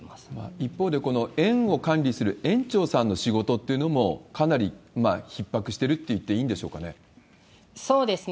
一方で、この園を管理する園長さんの仕事というのも、かなりひっ迫してるっていっていいんでしょうかね？